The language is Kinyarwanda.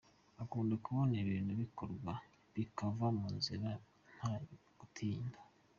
Akunda kubona ibintu bikorwa bikava mu nzira nta gutinda.